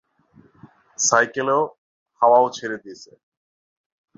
সাইকেলেও হাওয়াও ছেড়ে দিছে।